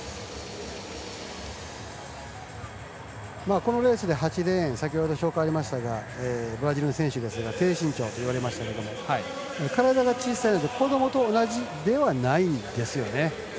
このレースで８レーン紹介がありましたがブラジルの選手ですが低身長といわれましたけども体が小さいけど子どもと同じではないんですよね。